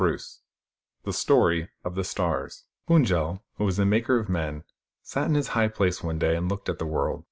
V THE STORY OF THE STARS PUND JEL, who was Maker of Men, sat in his high place one day and looked at the world.